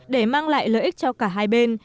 để mang lại lợi ích cho cả hai bên